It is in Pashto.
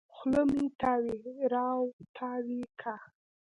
خوله مه تاوې راو تاوې کوه.